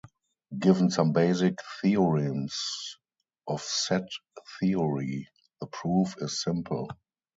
Given some basic theorems of set theory, the proof is simple.